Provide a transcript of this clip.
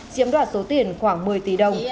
chiếm đoạt số tiền khoảng một mươi tỷ đồng